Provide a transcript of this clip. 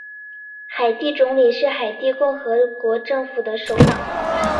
海地总理是海地共和国政府的首脑。